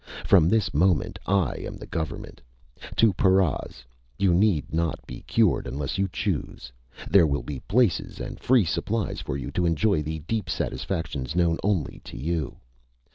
From this moment I am the government! To paras you need not be cured unless you choose. There will be places and free supplies for you to enjoy the deep satisfactions known only to you!